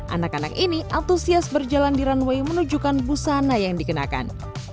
anak anak ini antusias berjalan di runway menunjukkan busana yang dikenakan